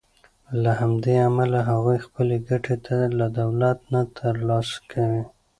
له همدې امله هغوی خپلې ګټې له دولت نه تر لاسه کوي.